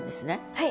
はい。